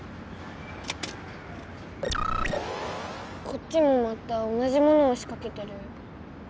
こっちもまた同じものをしかけてる。